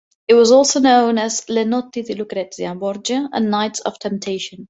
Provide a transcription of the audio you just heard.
It was also known as Le notti di Lucrezia Borgia and Nights of Temptation.